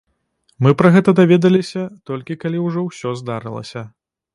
Мы пра гэта даведаліся, толькі калі ўжо ўсё здарылася.